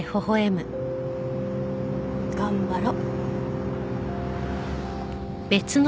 頑張ろう。